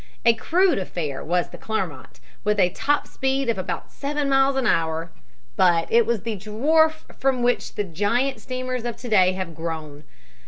A crude affair was the Clermont, with a top speed of about seven miles an hour; but it was the dwarf from which the giant steamers of to day have grown.